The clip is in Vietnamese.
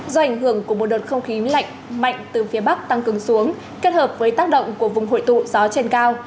do ảnh hưởng của một đợt không khí lạnh mạnh từ phía bắc tăng cường xuống kết hợp với tác động của vùng hội tụ gió trên cao